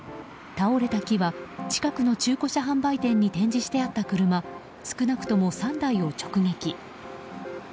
倒れた木は、近くの中古車販売店に展示してあった車少なくとも３台を直撃。